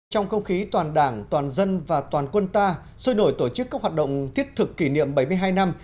trong không khí toàn đảng toàn dân và toàn quân ta sôi nổi tổ chức các hoạt động thiết thực kỷ niệm bảy mươi hai năm